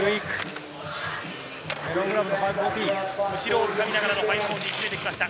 後ろをつかみながらの５４０を入れてきました。